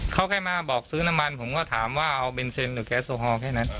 เขาแค่มาบอกซื้อน้ำมันผมก็ถามว่าเอาเบนเซ็นหรือแก๊สโอฮอลแค่นั้น